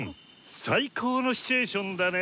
最高のシチュエーションだね！